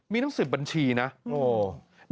มีตั้ง๑๐บัญชีนะโอ้โห